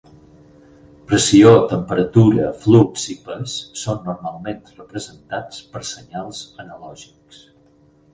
Pressió, temperatura, flux i pes són normalment representats per senyals analògics.